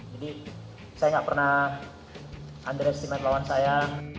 jadi saya nggak pernah underestimate lawan saya